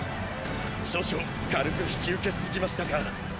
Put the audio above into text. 少々軽く引き受けすぎましたか。